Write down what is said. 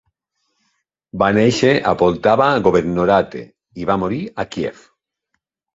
Va néixer a Poltava Governorate i va morir a Kiev.